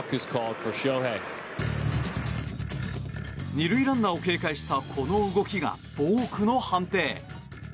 ２塁ランナーを警戒したこの動きがボークの判定。